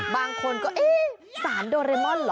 บางคนก็ศาลโดเรมอนเหรอ